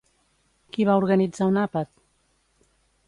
Qui va organitzar un àpat?